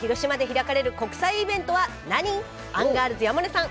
アンガールズ山根さん